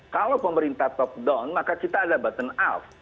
kalau pemerintah top down maka kita ada button up